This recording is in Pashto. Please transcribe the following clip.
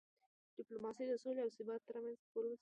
ډیپلوماسي د سولې او ثبات د رامنځته کولو وسیله ده.